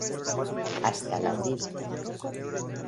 Hasta La Uribe.